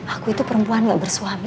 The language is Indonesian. aku itu perempuan gak bersuami